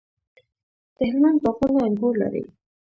د هلمند باغونه انګور لري.